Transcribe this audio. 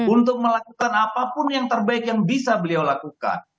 untuk melakukan apapun yang terbaik yang bisa beliau lakukan